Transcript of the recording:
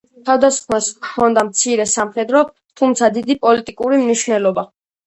თავდასხმას ჰქონდა მცირე სამხედრო, თუმცა დიდი პოლიტიკური მნიშვნელობა.